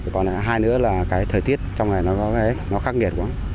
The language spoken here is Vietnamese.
còn hai nữa là cái thời tiết trong này nó khắc nghiệt quá